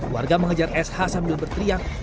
warga mengejar sh sambil berteriak